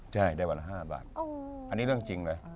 ใช่ได้วันละ๕บาทอันนี้เรื่องจริงเลย